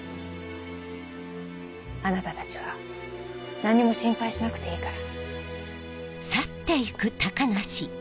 あなたたちは何も心配しなくていいから。